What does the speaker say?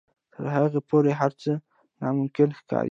تر هغې پورې هر څه ناممکن ښکاري.